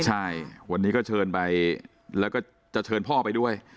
ขอบพระคำเพิ่มเติมด้วยใช่วันนี้ก็เชิญไปแล้วก็จะเชิญพ่อไปด้วย